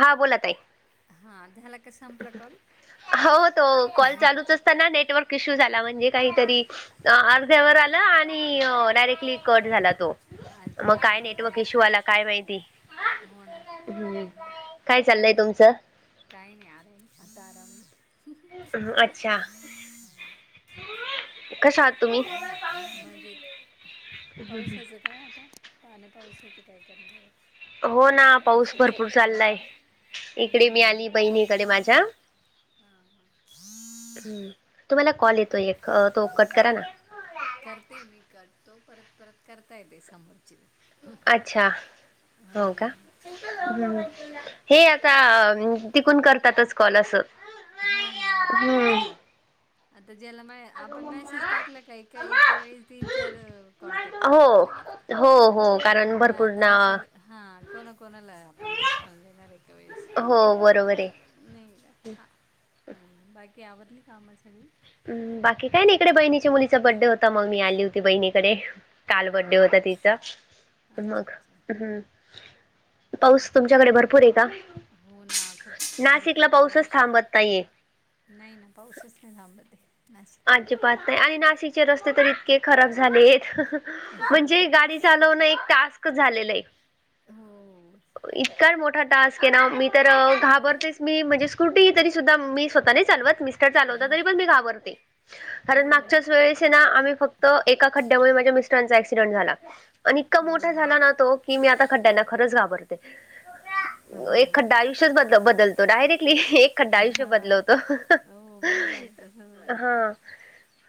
हा बोलत ताई. हा धलाक हो तो कॉल चालूच असताना नेटवर्क इश्यू झाला म्हणजे काहीतरी अ अर्ध्यावर आलं डायरेक्टली कट झाला तो. अच्छा मग अच्छा काय नेटवर्क हां इश्यू आला काय माहिती. हो ना हम्म हां काय चाललंय म्हणता तुमचं? काय नाही अता आराम. म अच्छा कस आहात तुम्ही? म्हणजे पावसाच काय आता पाण्या पावसाचं काय करणार आहे. हो ना पाऊस पाऊसच भरपूर खूप चालू चाललाय आहे इकडे मी हम्म आली बहिणीकडे माझ्या. हां हां हम् तुम्हाला कॉल येतो एक तो कट करा ना. करते मी करतो परत परत करता येते समोरचीला. अच्छा हो का? हम! हो हे आता तिकून करतातच कॉल असं. हा हा ह हो हम्म ना आता ज्याला मा आपण मेसेज टाकला का एक वेळी तीन चार कॉन्टॅक्ट हो करतात लगेच. हो आणि हो हा कारण मग भरपूर आता ना असं हा कोणा कोणाला आपण रिस्पॉन्स देणार एका वेळेस. हो बरोबर आहे. नाही का हा. ह बाकी आवरली काम सगळी. म बाकी काय ना इकडे बहिणीच्या मुलीचा बड्डे होता मग मी आली होती बहिणीकडे. काल हां हां बर्थडे होता तिचा अच्छा मग अच्छा हम्. मग पाऊस आता काय तुमच्याकडे भरपूर आहे का? हो ना खूप नाशिकला भरपूर पाऊसच पाऊस. थांबत नाहीये. नाही ना पाऊसच नाही थांबत ते नाशिकला. अजिबात आणि नाशिकचे रस्ते तर इतके खराब झालेत म्हणजे चालवण एक टास्क झालेलं आहे. हो हो. इतका र मोठा टास्क आहे ना मी तर घाबरतेस मी म्हणजे स्कुटी तरी सुद्धा मी स्वत नाही चालवत मिस्टर चालवता हां तरी पण मी घाबरते. कारण हो मागच्याच वेळेस ना आम्ही फक्त एका खड्डयांमुळे माझ्या मिस्टरांचा ॲक्सिडेंट झाला. आणि इतका मोठा झाला ना हां. तो की मी आता खड्डयांना खरंच घाबरते एक खड्डा आयु ष्यच बदल बदलतो डायरेक्टली. खड्डा आयुष्य हा बदलवतो. हो बरोबर तसचच झाला. हा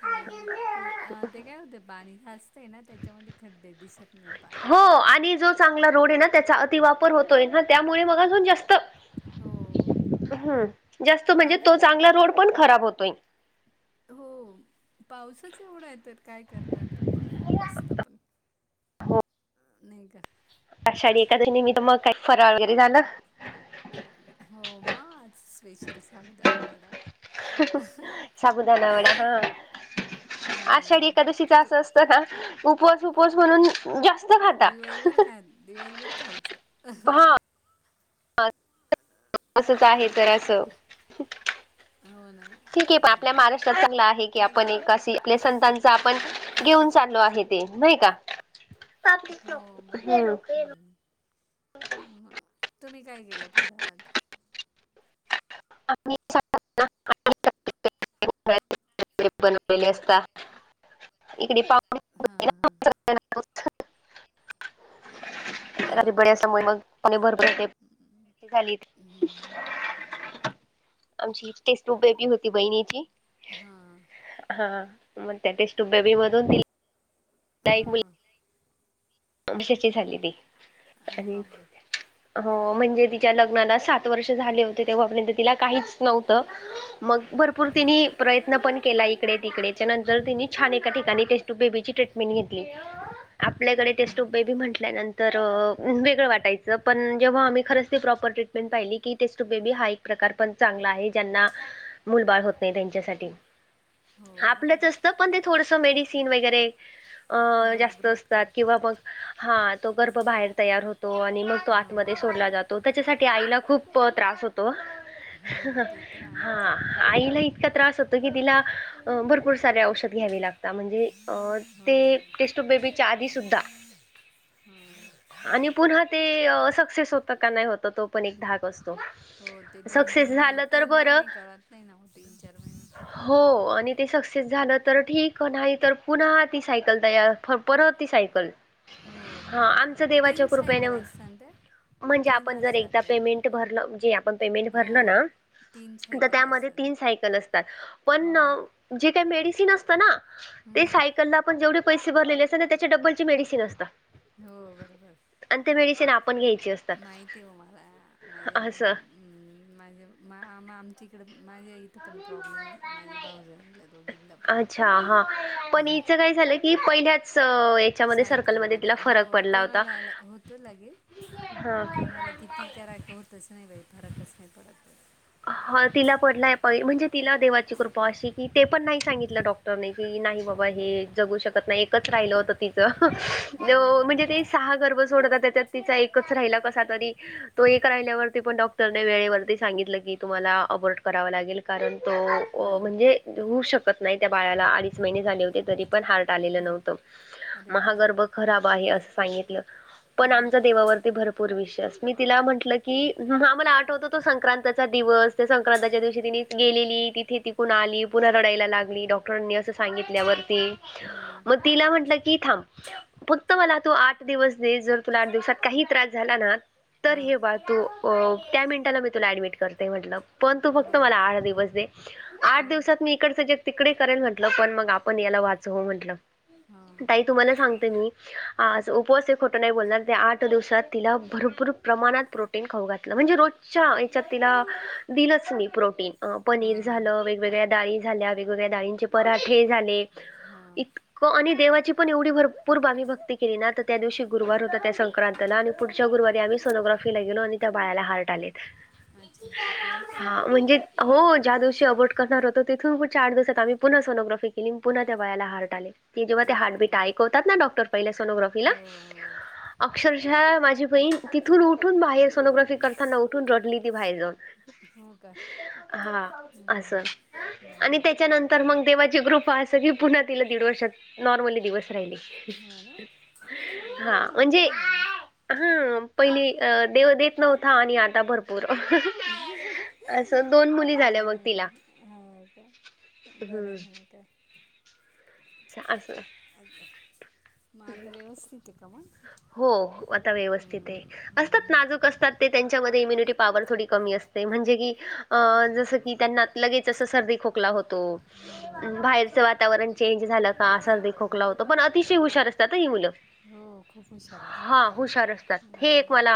हम्म तेर अ ते काय होते पाणी खास ते ना त्याच्यामध्ये खड्डे दिसत नाही पाण. हो आणि जो चांगला रोड आहे ना त्याचा अतिवापर होतोय ना त्यामुळे मग अजून जास्त हो, हो. बरोबर आहे. हम्म जास्त म्हणजे पाणी तो चांगला रोड पण खराब होतोय. हो पावसच एवढा आहे तर काय करणार तो पा रस्ता पण. नाही का आषाढ [unintelligible] मी तर मग काही फरळ वगैरे झालं? हो मा आज स्पेशल साबुदाणा वडा. साबुदाणा वडा हा. अ, आषाढी एकादशीचा तो असं असतं ना उपवास उपवास म्हणून जास्त खा दिवसभर खात दिवसभर खायचं. हा [unintelligible] असंच आहे तर उम्म असं आ हो ना. ठीक आहे पण हो. आपल्या महाराष्ट्रात चांगलं आहे की काय आपण काय- एकासी आपल्या संतान आपण घेऊन चाललो आहे ते नाही का. हो बरोबर हम्म. हम्म म तुम्ही काय केलं फराळ आज? [unintelligible] [unintelligible] बनवले असता इकडे पाहु हा हा. [unintelligible] हां असल्यामुळे बरोबर मग. हम्म, [unintelligible] हम्म. आमची टेस्ट ट्यूब बेबी होती बहिणीची. हां. हा मग त्या टेस्ट ट्यूब बेबी मधून. [unintelligible] हां मीशाची झाली ती अरे आणि बापरे हो म्हणजे तिच्या लग्नाला सा त वर्ष झाले होते तेव्हा पर्यंत तिला काहीच नव्हतं मग भरपूर तिनी हां प्रयत्न पण केला इकडे तिकडेच त्यानंतर तिनी छान एका ठिकाणी टेस्ट्यूब बेबीची ट्रीटमेंट घेतली. आपल्याकडे हां टेस्टुयूब बेबी म्हटल्यानं तर वेगळं वाटायचं पण जेव्हा आम्ही खरंच ती प्रॉपर ट्रीटमेंट पाहिली की टेस्ट्यूब बेबी हा ए क प्रकार पण चांगला आहे ज्यांना मुलबाळ होत नाही त्यांच्यासाठी हो आपलंच बरोबर असतं पण ते थोडसा मेडिसिन वगैरे अ हां जास्त ग्रोथ असतात करतात किंवा मग त्याची हा तो गर्भ बाहेर तयार होतो आणि मग तो हो आतमध्ये सोडला जा तो त्याच्यासाठी आईला खूप त्रास होतो हो ते तर हा. आहेच आईला इतका त्रास होतो की तिला भरपूर सारे औषध घ्यावे लागतात म्हणजे अ हो ते टेस्ट्यूब बेबीच्या आधी सुद्धा हां. आणि पुन्हा ते सक्सेस अ होतं का नाही होतं तो पण एक धाक असतो. हो दोन सक्सेस तीन महि झालं तर बरं तीन कळत नाही ना हो तीन चार महिने. हो आणि ते सक्सेस तर ठीक नाही तर पुन्हा ती सायकल तयार परतती सायकल हो हा आमच देवाच्या तीन कृपेन सायकल असतात ना त्या म्हणजे तीन आपण जर असतात एकदा त्या पेमेंट भरलं जे आपण पेमेंट भरलं हो ना तीन तर सायकल त्यामध्ये असतात त्या. तीन सायकल त नसतात. हो पण अ म्हणजे मेडिसिन असतं ना ते हम्म. सायकल ला आपण जेवढे पैसे भरले अस तात त्या डबलचे मेडिसीन असतं. हो हो बरोबर. आणि ते मेडिसिन आपण घ्यायच. माहित आहे हो मला माझ्या असं हम माझे मा आम आमच्या इकडे माझ्या पण प्रॉब्लेम माझे भाऊजला दोघींना पण अच्छा हा पण हिचं काय झालं की पहिल्याच याच्यामध्ये सायकल सर्कलमध्ये मध्ये तिला फरक हो पडला होता कोणाला होतोलगेच. हा कोणाला किती करा होतच नाही बाई फरकच नाही पडतच. तिला पडलाय म्हणजे तिला देवाची कृपा अशी की ते पण सांगितलं डॉक्टरने. की नाही बाबा हे जगू शकत नाही एकच राहिलं होत तिचं अरे म्हणजे बापरे ते सहा गर्भ सोडतात त्याच्यात तिचा एकच राहिला कसा तरी. तो एक राहिल्यावरती पण डॉक्टरने वेळेवरती सांगितलं की तुम्हाला अ वडकरावा लागेल कारण तो हां म्हणजे होऊ शकत नाही त्या बाळाला अडीच महिने झाले होते तरी. पण हार्ट आलेलो नव्हत अरे म हा बापरे गर्भ खराब आहे अस सांगितलं. पण हां आमचा देवावरती भरपूर विश्वास मी तिला म्हटलं की आम्हाला आठवत तो संक्रांत दिवस संक्रांताच्या दिवशी ति गेलेली तिथे तिकून आली पुन्हा लढायला लागली डॉ डॉटरांनी असं सांगितल्यावरती. हम्म. मग तिला म्हंटलं की थांब. फक्त मला तू आठ दिवस देस जर तुला आठ दिवसात काही त्रास झाला ना तर हां हे बाळ तू त्या मिनिटाला मी तुला ऍडमिट करते म्हटलं. पण तू फक्त हां मला आठ दिवस दे आठ हां दिवसात मी इकडच जग तिकडे करेल म्हटलं पण मग आपण याला वाचव म्हटलं हां ताई तुम्हाला सांगते मी. आज उपवास खोटं नाही बोलणार आठ दिवसात तिला भरपूर प्रमाणात प्रो खाऊ घातल म्हणजे रोजच्या ह्याच्यात तिला दिलच मी प्रोटीन पनीर हां झाल वेगवेगळ्याडाळी झाल्या वेगगळ्या डाळीच्या पराठे झाले. हा. देवाची पण एवढी भरपूर आम्ही भक्ती केली ना तर त्या दिवशी गुरुवार होता त्या संक्रांत आणि पुढच्या गरुवारी आम्ही सोनोग्राफीला गेलो आणि त्या बाळाला हार्ट आलेत. अच्छा अच्छा हो का हा म्हणजे हो ज्या दिवशी अबोट करणार होत तिथून म चार दिवसात आम्ही पुन्हा सोनोग्राफी केली पुन्हा त्या बाळा हार्ट आले. जेव्हा ते अरे बापरे हार्टबिट ऐकवतात ना डॉक्टर पहिले सोनोग्राफीला. हो अक्षरशा माझी बहीण तिथून उठून बाहेर सोनोग्राफी करताना उठून रडली ती बाहेर जाऊन. हो काय. हा असं. आणि हम्म. त्याच्यानंतर मग देवाची कृपा असं की पुन्हा तिला दीड वर्षात नॉर्मली दिवस राहिले. हम ना. अरे वा हा चांगलं म्हणजे आहे मग. हा पहिली अ देव देत नव्हता, आणि आता भरपूर. अ असं दोन मुली झाल्या मग तिला हो का. बरं ना मग काय. अच्छा असं. [unintelligible] मग आता व्यवस्थित आहे का मग. हो आता व्यवस्थित ये. हम्म असतात हम्म नाजूक असतात. ते तेच्यामध्ये इम्युनिटी पावर थोडी कमी असते. म्हणजे की जसं की त्यांना, लगेच असं सर्दी खोकला होतो, हो बाहेरचं वातावरण चेंज झालं का सर्दी खोकला होतं, पण अतिशय हुशार असतात ही मुलं. हो खूप. हुशार आहेस हा हुशार असतात. हे एक मला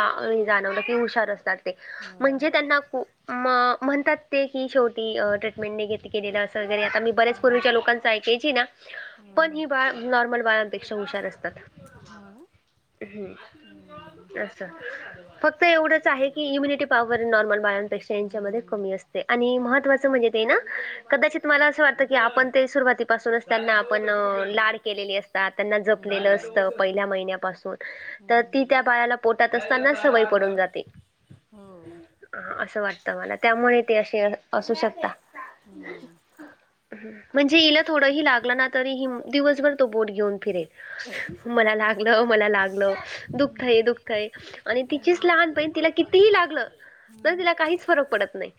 जाणवलं की हुशार असतात. ते हो हो म्हणजे त्यांना, मग म्हणतात ते की शेवटी ट्रीटमेंट निघेत. आता मी ह बऱ्याच ह पूर्वीच्या लोकांचं ऐकायची ना, पण ह ही बाळ. नॉर्मल बाळानपेक्षा हुशार असतात. [unintelligible] हम हम्म असं. फक्त एवढंच आहे की, इम्युनिटी पॉवर नॉर्मल बाळंनपेक्षा यांच्यामध्ये हम्म कमी असते. आणि महत्वाचं म्हणजे ते ना, कदाचित मला असं वाटतं की आपण ते सुरुवातीपासून. त्यांना आपण लाड केलेली असतात. त्यांना जपलेलं हम्म असतं. पहिल्या महिन्यापासून, तर हम्म ती हम्म त्या बाळाला पोटात असतानाच सवय पडून जाते. हो असं वाटतं मला त्यामुळे ते असे असू शकता. हम्म म्हणजे हिला थोड ही लागला ना, तरी दिवसभर तो बोट घेऊन फिरेल. मला लागलं, मला लाग दुःखतय दुःखतय आणि तिचीच हां लहान बहिण तिला कितीही लागलं. तर हां तिल काहीच फरक पडत नाही.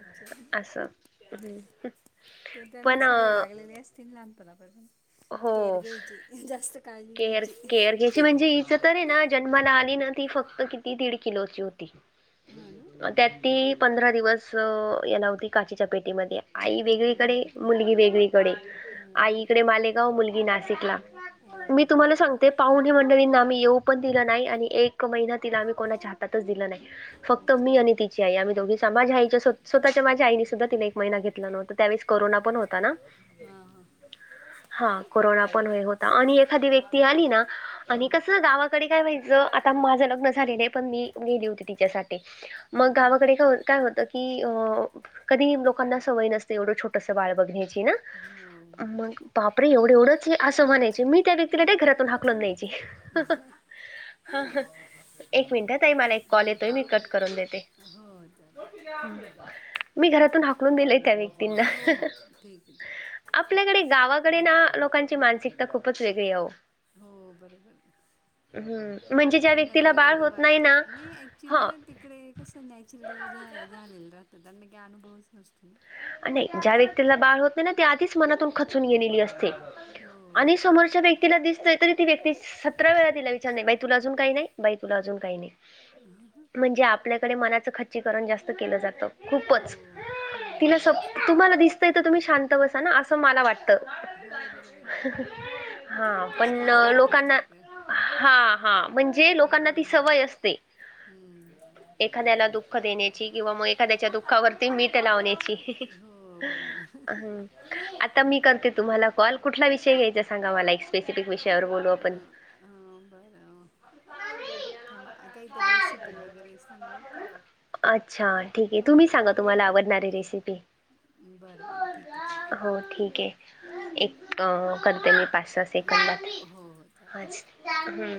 अच्छा असं हम. तर त्यांना सवय लागलेली असते, लहानपणापासून केर हो घ्यायची. जास्त काळजी घ्यायची. तिचं तर ना जन्माला आली ना, ती फक्त किती दीड किलोची होती. ह ना. त्या ती पंधरा दिवस हेला होती. काचच्या पेटीमध्ये आई हां हां वेगळीकडे, मुलगी वेगळीकडे हां हां आईकडे, मालेगाव मुलगी नाशिकला अरे मी बापरे तुम्हाला सांग ते पाहुणे मंडळींना आम्ही येऊ पण दिलं नाही. आणि एक महिना तिला आम्ही कोणाच्या हातातच दिलं नाही. फक्त अच्छा मी आणि तिची आई आम्ही दोघी समाजच्या स्वतःच्या माझ्या आईने सुद्धा तिने एक महिना घेतला नव्हता. त्यावेळेस कोरोना पण होता ना. हा हा. हा कोरोना पण हे होता. आणि एखादी व्यक्ती आली ना. आणि हां कसं गावाकडे काय व्हायचं. आता माझं लग्न झालेलं आहे पण मी गेली होती तिच्यासाठी. मग हां गावाकडे काय काय होतं की अ. कधी लोकांना सवय नसते. एवढं छोटंसं बाळ बघण्याची ना. हां हो मग बाप रे एवढं एवढंच ये असं म्हणायची. मी त्या व्यक्तीला लगे घरातून हाकलून द्यायची. हा हा एक मिनिट ताई मला एक कॉल येतोय. हां मी कट करून देते. हो चालेल मी घरातून हकलून दिलेय त्या व्यक्तींना. हो हो ठीक आहे चालेल. आपल्याकडे गावाकडे ना लोकांची मानसिकता खूपच वेगळी ओ. हो बरोबर हम्म, म्हणजे ज्या त्यांना व्यक्तीला ते बाळ वेगळं होत नाही वाटत ना नाही ऍक्च्युली हा ना ते तीकडे कसं नॅचरल झालेल राहत त्यांना काय अनुभवच नसतो ना. नाही ज्या व्यक्तीला बाळ होते नाही, ना ती मनातून खचून गेलेली असते हो आणि समोरच्या व्यक्तीला दिसतय, तरी ती व्यक्ती सतरा वेळा तीला विचारनार, बाई तुला अजून काही नाही बाई तुला अजून काही नाही. र म्हणजे आपल्याकडे मनाचं खच्चीकरण जास्त केलं जातं हो खूपच. हो तिला स जास्त तुम्हाला क- दिसतंय तर तुम्ही शांत बसा ना असं मला वाट त हो बरोबर आहे हहह ना. हा पण कशाला सारखं लोकांना. सारखं हा हा म्हणजे लोकांना ती सवय असते. हम्म. एखाद्याला दुःख देण्याची किंवा मग एखाद्याच्या दुःखावरती मीठ लावण्याची. हो बरं झालं हं आता मी करते तुम्हाला कॉल, कुठला विषय घ्यायचा सांगा मला एक स्पेसिपीक विषयावर बोलू आपण. अ बरं थांबा, काहीतरी रेसिपी वगैरे सांगू आपण. अच्छा ठीक आहे, हां तुम्ही सांगा तुम्हाला आवडणारी रेसिपी. बरं बरं ठीक आहे चालेल हो ठीक आहे, एक अ करते मी पाच स सेकंद हो बाकी आहे, हो हो चालेल हाच हम्म.